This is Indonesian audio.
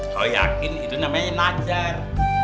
kalau yakin itu namanya nacer